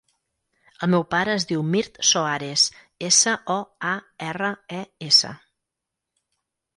El meu pare es diu Mirt Soares: essa, o, a, erra, e, essa.